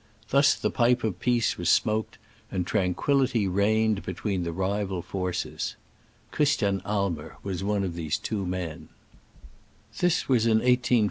"Thus the pipe of peace was smoked, and tran quillity reigned between the rival forces.'* Christian Aimer was one of these two men. ♦ Wanderings among the High Alps, 1858.